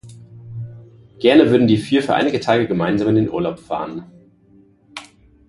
Gerne würden die vier für einige Tage gemeinsam in den Urlaub fahren.